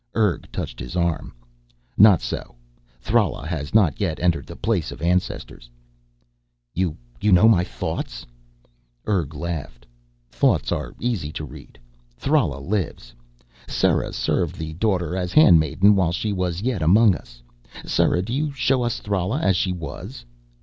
Urg touched his arm. "Not so. Thrala has not yet entered the Place of Ancestors." "You know my thoughts?" Urg laughed. "Thoughts are easy to read. Thrala lives. Sera served the Daughter as handmaiden while she was yet among us. Sera, do you show us Thrala as she was."